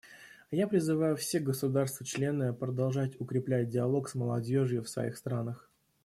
Я призываю все государства-члены продолжать укреплять диалог с молодежью в своих странах.